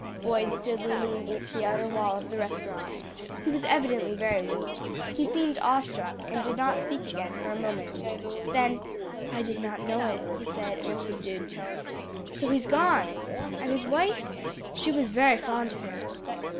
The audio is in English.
Boyd stood leaning against the outer wall of the restaurant; he was evidently very weak; he seemed awe struck, and did not speak again for a moment; then, "I did not know it," he said in a subdued tone. "So he's gone! And his wife? She was very fond of him."